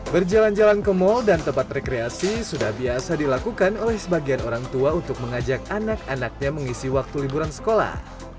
berjalan jalan ke mal dan tempat rekreasi sudah biasa dilakukan oleh sebagian orang tua untuk mengajak anak anaknya mengisi waktu liburan sekolah